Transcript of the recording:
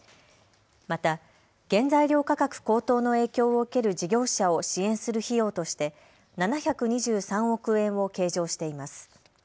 また原材料価格高騰の影響を受ける事業者を支援する費用として７２３億円を計上しています。